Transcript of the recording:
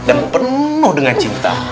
dan penuh dengan cinta